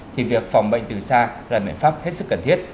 thì việc phòng bệnh từ xa là biện pháp hết sức cần thiết